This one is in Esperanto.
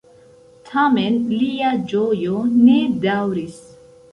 Tamen, lia ĝojo ne daŭris.